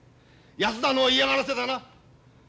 安田の嫌がらせだな。